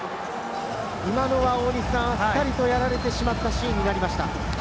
今のはあっさりとやられてしまったシーンになりました。